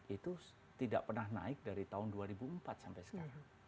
itu tidak pernah naik dari tahun dua ribu empat sampai sekarang